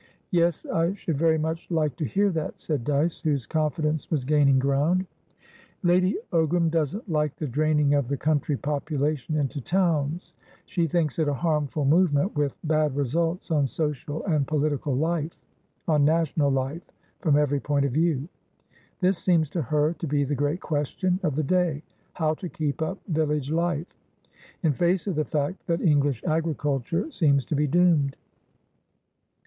"Yes, I should very much like to hear that," said Dyce, whose confidence was gaining ground. "Lady Ogram doesn't like the draining of the country population into towns; she thinks it a harmful movement, with bad results on social and political life, on national life from every point of view. This seems to her to be the great question of the day. How to keep up village life?in face of the fact that English agriculture seems to be doomed.